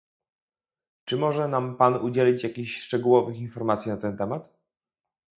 Czy może nam pan udzielić jakichś szczegółowych informacji na ten temat?